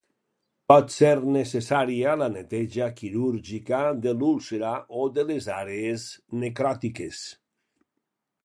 Pot ser necessària la neteja quirúrgica de l'úlcera o de les àrees necròtiques.